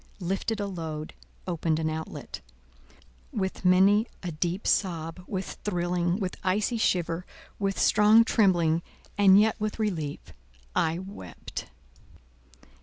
lifted a load, opened an outlet. With many a deep sob, with thrilling, with icy shiver, with strong trembling, and yet with relief—I wept.